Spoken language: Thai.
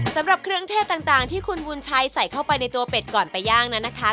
สำหรับเครื่องเทศต่างที่คุณบุญชัยใส่เข้าไปในตัวเป็ดก่อนไปย่างนั้นนะคะ